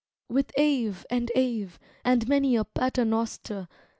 With Ave, and Ave, and many a Paternoster.